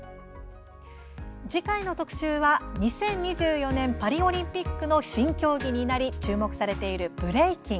次回の特集は２０２４年パリオリンピックの新競技になり注目されているブレイキン。